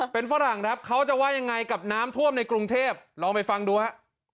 เป็นฝรั่งครับเขาจะว่ายังไงกับน้ำท่วมในกรุงเทพลองไปฟังดูฮะ